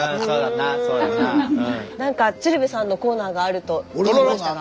なんか鶴瓶さんのコーナーがあると聞きましたが。